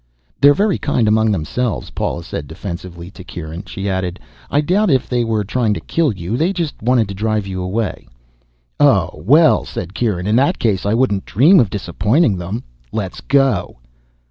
"They're very kind among themselves," Paula said defensively. To Kieran she added, "I doubt if they were trying to kill you. They just wanted to drive you away." "Oh, well," said Kieran, "in that case I wouldn't dream of disappointing them. Let's go."